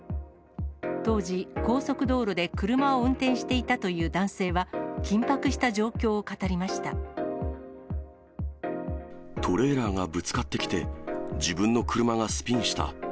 当時、高速道路で車を運転していたという男性は、緊迫した状況を語りまトレーラーがぶつかってきて、自分の車がスピンした。